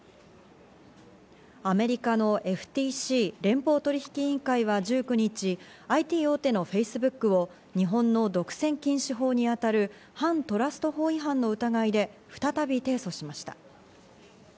アメリカのＦＴＣ＝連邦取引委員会は１９日、ＩＴ大手のＦａｃｅｂｏｏｋを日本の独占禁止法にあたる反トラスト法違反の疑いで再び提訴しました。